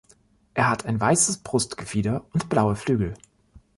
Er hat ein weißes Brustgefieder und blaue Flügel.